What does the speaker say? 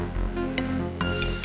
pembangunan di jakarta